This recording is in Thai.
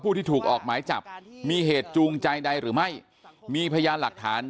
ที่ถูกออกหมายจับมีเหตุจูงใจใดหรือไม่มีพยานหลักฐาน